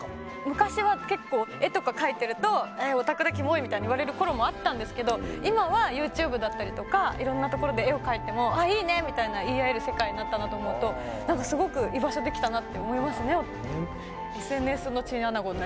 昔は結構絵とか描いてると「オタクだキモい」みたいに言われる頃もあったんですけど今はＹｏｕＴｕｂｅだったりとかいろんなところで絵を描いても「いいね！」みたいな言い合える世界になったなと思うと何かすごく居場所できたなって思いますね。